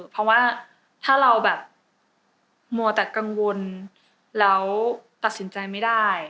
เพราะว่าถ้าเราแบบมัวแต่กังวลแล้วตัดสินใจไม่ได้